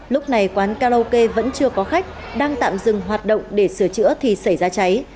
lúc này quán karaoke vẫn chưa có khách đang tạm dừng hoạt động để sửa chữa thì xảy ra cháy